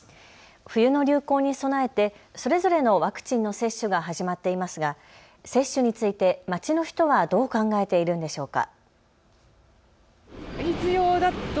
冬の流行に備えてそれぞれのワクチンの接種が始まっていますが接種について街の人はどう考えているんでしょうか。